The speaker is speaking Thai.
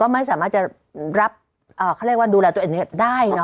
ไม่สามารถจะรับเขาเรียกว่าดูแลตัวเองได้เนอ